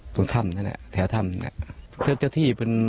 ตรงคำนั่นเนี่ยแถวคำเมื่องนี้